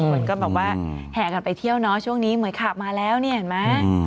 คนก็แบบว่าแห่กันไปเที่ยวเนาะช่วงนี้เหมือนขาบมาแล้วเนี่ยเห็นไหม